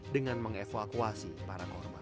dengan mengevakuasi para korban